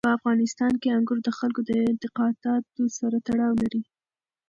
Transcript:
په افغانستان کې انګور د خلکو د اعتقاداتو سره تړاو لري.